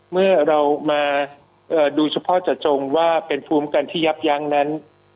เมื่อเรามาดูเฉพาะเจาะจงว่าเป็นภูมิกันที่ยับยั้งนั้น